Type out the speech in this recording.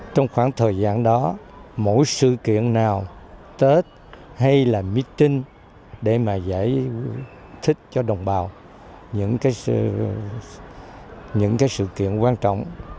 trong khoảng thời gian đó mỗi sự kiện nào tết hay là meeting để mà giải thích cho đồng bào những sự kiện quan trọng